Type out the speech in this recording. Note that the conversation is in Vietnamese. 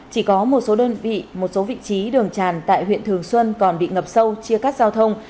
chỉ có một số đơn vị một số vị trí đường tràn tại huyện thường xuân còn bị ngập sâu chia cắt giao thông